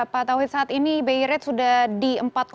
pak tauhid saat ini bi rate sudah di empat lima